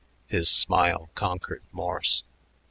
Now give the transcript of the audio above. His smile conquered Morse.